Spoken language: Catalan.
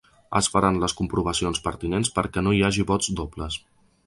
Es faran les comprovacions pertinents perquè no hi hagi vots dobles.